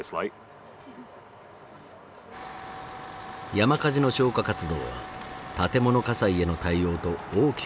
山火事の消火活動は建物火災への対応と大きく異なる。